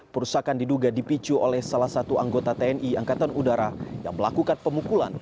perusakan diduga dipicu oleh salah satu anggota tni angkatan udara yang melakukan pemukulan